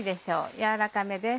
やわらかめです。